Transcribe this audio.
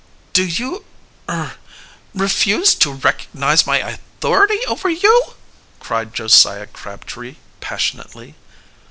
"Do you er refuse to recognize my authority over you?" cried Josiah Crabtree passionately.